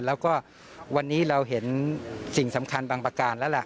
แล้วก็วันนี้เราเห็นสิ่งสำคัญบางประการแล้วล่ะ